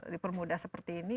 di permuda seperti ini